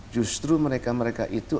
justru mereka mereka itu